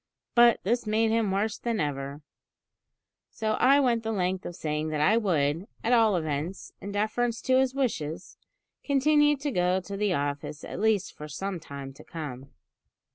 But this made him worse than ever; so I went the length of saying that I would, at all events, in deference to his wishes, continue to go to the office at least for some time to come.